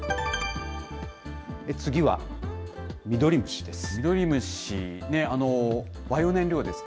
次は、ミドリムシです。